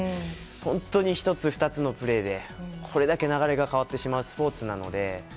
本当に１つ２つのプレーでこれだけ流れが変わってしまうスポーツなので。